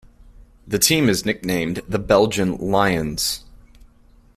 The team is nicknamed the "Belgian Lions".